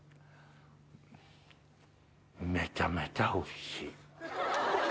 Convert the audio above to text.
めちゃめちゃおいしい。